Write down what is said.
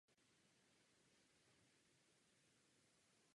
Jeho synové později oba díly vsi postupně spojily.